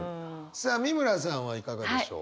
さあ美村さんはいかがでしょう？